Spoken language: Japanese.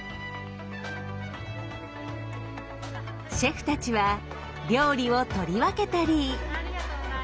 シェフたちは料理を取り分けたり。